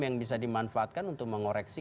yang bisa dimanfaatkan untuk mengoreksi